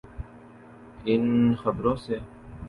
ان خبروں سے؟